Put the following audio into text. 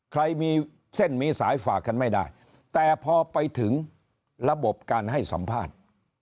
ใครมีเส้นมีสายฝากกันไม่ได้แต่พอไปถึงระบบการให้สัมภาษณ์